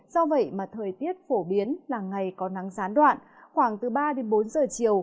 do vậy mà thời tiết phổ biến là ngày có nắng sán đoạn khoảng từ ba bốn giờ chiều